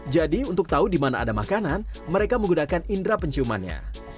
jadi untuk tahu di mana ada makanan mereka menggunakan indera penciumannya